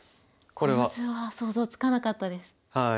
この図は想像つかなかったです。